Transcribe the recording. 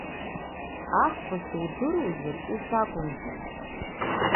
Ақәԥашьа удыруазар ус акәым, џьым!